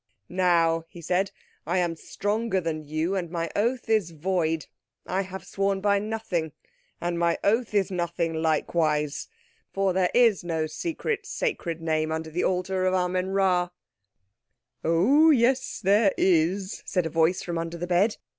"Now," he said, "I am stronger than you and my oath is void. I have sworn by nothing, and my oath is nothing likewise. For there is no secret, sacred name under the altar of Amen Rā." "Oh, yes there is!" said a voice from under the bed.